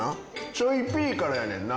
ちょいピリ辛やねんな。